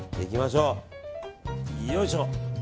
よいしょ。